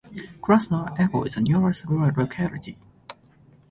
Krasnoye Ekho is the nearest rural locality.